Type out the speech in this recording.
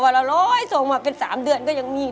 วันละส่งมาเป็น๓เดือนก็ยังมี